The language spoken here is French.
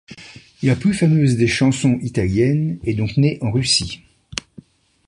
La plus fameuse des chansons italiennes est donc née en Russie.